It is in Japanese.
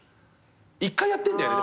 １回やってんだよね